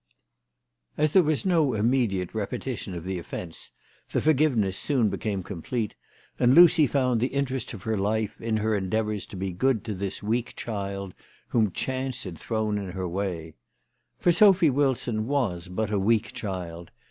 As there was no immediate repetition of the offence the forgiveness soon became complete, and Lucy found the interest of her life in her endeavours to be good to this weak child whom chance had thrown in her way. For Sophy Wilson was but a weak child.